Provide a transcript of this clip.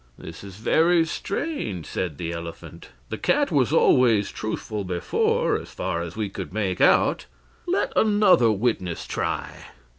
"This is very strange," said the elephant; "the cat was always truthful before as far as we could make out. Let another witness try.